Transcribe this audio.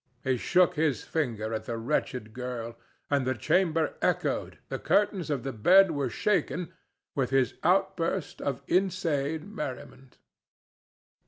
He shook his finger at the wretched girl, and the chamber echoed, the curtains of the bed were shaken, with his outburst of insane merriment.